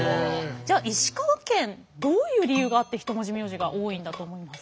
じゃあ石川県どういう理由があって一文字名字が多いんだと思います？